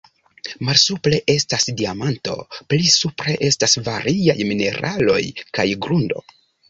Malsupre estas diamanto, pli supre estas variaj mineraloj kaj grundo.